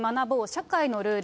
社会のルール！！